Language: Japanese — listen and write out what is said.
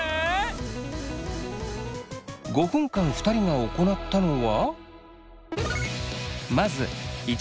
５分間２人が行ったのは。